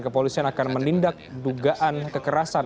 kepolisian akan menindak dugaan kekerasan